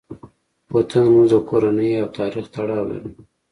وطن زموږ د کورنۍ او تاریخ تړاو لري.